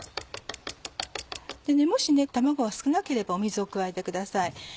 もし卵が少なければ水を加えてください。